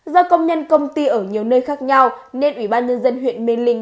do công nhân công ty ở nhiều nơi khác nhau nên ủy ban nhân dân huyện mê linh